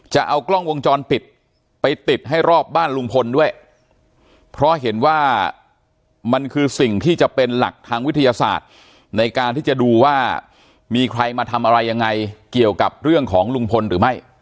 จะเอากล้องวงจรปิดไปติดให้รอบบ้านลุงพลด้วยเพราะเห็นว่ามันคือสิ่งที่จะเป็นหลักทางวิทยาศาสตร์ในการที่จะดูว่ามีใครมาทำอะไรยังไงเกี่ยวกับเรื่องของลุงพลหรือไม่